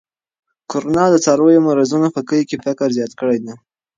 کرونا او د څارویو مرضونو په کلي کې فقر زیات کړی دی.